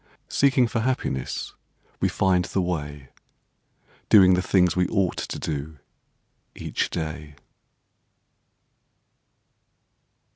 Seeking for happiness we find the way Doing the things we ought to do each day.